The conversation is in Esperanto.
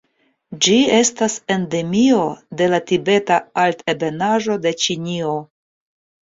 Ĝi estas endemio de la Tibeta Altebenaĵo de Ĉinio.